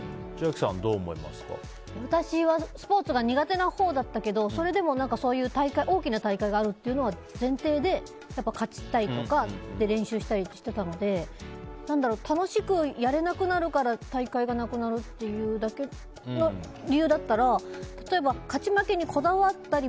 私はスポーツが苦手なほうだったけど大きな大会があるという前提で勝ちたいとか練習したりしていたので楽しくやれなくなるから大会がなくなるという理由だったら例えば勝ち負けにこだわったり